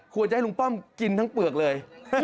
จะให้ลุงป้อมกินทั้งเปลือกเลย